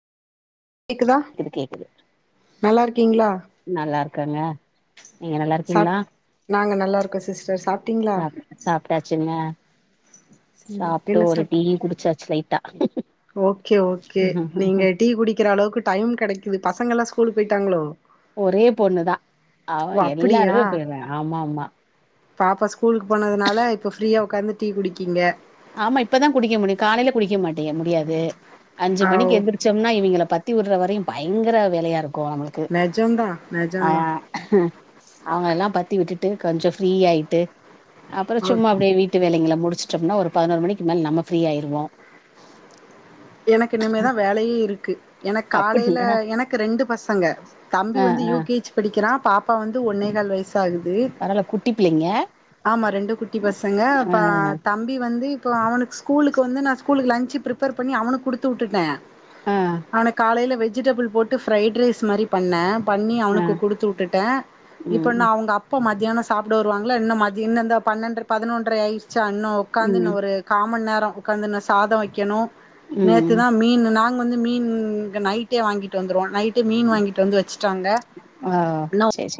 கேக்குதா கேக்குது கேக்குது நல்லா இருக்கீங்களா நல்லாருக் இருக்காங்க நீங்க நல்லாருக்கீங்களா ல்லாருக்கோ சிஸ்டர் சா சாப்ட்டாச்சுங்க சரி சாப்ட்டு என்ன ஒரு சாப் டீ குடிச்சாச்சு லை ஓகே ஓகே நீங்க டீ குடிக்கிற அளவுக்கு டைம் கெடைக்குது பசங்கல்லா ஸ்கூலு போயிட்டாங்களோ ஒரே பொண்ணு தா அவ ஓ அப்படியா எல்லாருமே போயிறா ஆமா ஆமா பாப்பா ஸ்கூலுக்கு போனதுனால இப்ப ஃப்ரீயா உட்காந்து டீ குடிக்கீங்க ஆமா இப்பதா குடிக்க முடியு காலையில குடிக்க மாட்டே முடியாது அஞ்சு ஆ ஓ மணிக்கு எந்திரச்சோம்னா இவங்கள பத்தி விடுற வரையு பயங்கர வேலையா இருக் நம்மளுக்கு நெஜம்தா ஆ நெஜம்தா அவங்கல்லா பத்தி விட்டு ட்டு கொஞ்ச ப்ரீ ஆயட்டு அப்புற ஓ சும்மா அப்டியே வீட்டு வேலைங்கள முடிச்சட்டோம்னா ஒரு பதினோரு மணிக்கு மேல நம்ம ஃப்ரீயாயிருவோ எனக்கு இனிமே தா வேலையே இருக்கு எனக்கு காலையில அப்டிங்களா எனக்கு ரெண்டு பசங்க தம்பி ஆ வந்து ஆ யூ கேச் படிக்கிறா பாப்பா வந்து ஒன்னே கால் வயசு சாகுது பரவால்ல குட்டி பிள்ளைங்க ஆமா ரெண்டு குட்டி பசங்க ஆ அ தம்பி வந்து இப்போ அவனுக்கு ஸ்கூலுக்கு வந்து நா ஸ்கூலு லஞ்ச் பிரிப்பேர் பண்ணி அவனுக்கு குடுத்து விட்டுட்ட ஆ அவன காலையில வெஜிடபிள் போட்டு ஃப்ரைட் ரைஸ் மாரி பண்ணே பண்ணி ஆ அவனுக்கு குடுத்து விட்டுட்டே ம் இப்ப ம் அவங்க அப்பா மத் தியான சாப்பட வருவாங்களா என்ன ம இ பன்னெ பதினொன்றர ஆயி ச்ச இன்னு உக்காந்து ம் இன்ன ஒரு காமண் நேர உக்காந்துன்ன சாத வைக்கணு ம் நேத்துதா மீன் நாங்க வந்து மீன் நைட்டே வாங்கிட்டு வந்துருவோ நைட்டு மீன் வாங்கிட்டு வந்து வச்சுட்டாங்க ஆ சேரி என்னவ் சேரி